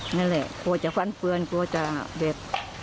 นั่นแหละกลัวจะฟันเฟือนกลัวจะแบบ